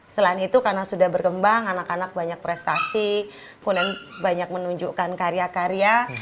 selain itu karena sudah berkembang anak anak banyak prestasi pun yang banyak menunjukkan karya karya